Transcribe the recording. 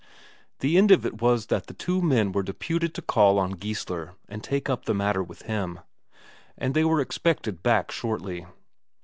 The end of it was that two men were deputed to call on Geissler and take up the matter with him. And they were expected back shortly.